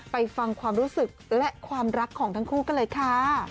ไปฟังความรู้สึกและความรักของทั้งคู่กันเลยค่ะ